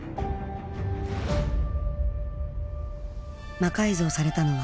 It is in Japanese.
魔改造されたのは